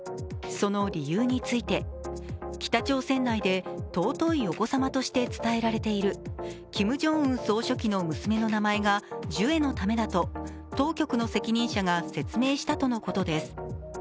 その理由について北朝鮮内で尊いお子様として伝えられているキム・ジョンウン総書記の娘の名前がジュエのためだと当局の責任者が説明したとのことです。